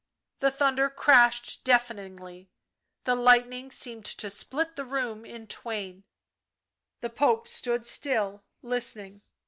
The thunder crashed deafeningly; the lightning seemed to split the room in twain; the Pope tood still, listening.